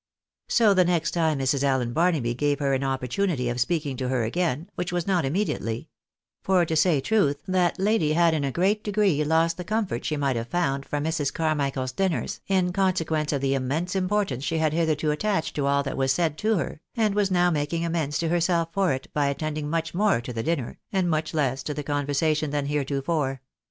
So the next time Mrs. Allen Barnaby gave her an opportunity of speaking to her again, which was not immediately — for to say truth that lady had in a great degree lost the comfort she might 6ave found from Mrs. Carmichael's dinners in consequence of the immense importance she had hitherto attached to all that was said to her, and was now making amends to herself for it, by attending much more to the dinner, and much less to the conversation than heretofore.